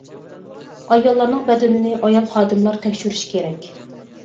ئاياللارنىڭ بەدىنىنى ئايال خادىملار تەكشۈرۈشى كېرەك.